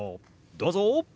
どうぞ！